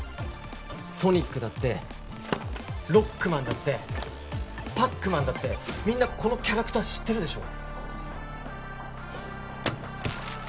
ソニックだってロックマンだってパックマンだってみんなこのキャラクター知ってるでしょ